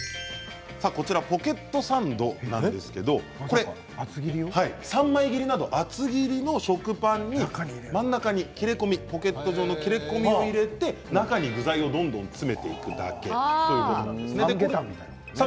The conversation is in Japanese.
ポケットサンドなんですけれど３枚切りなど厚切りの食パンの真ん中に切れ込みポケット状の切れ込みを入れて中に具材をどんどん詰めていくだけ。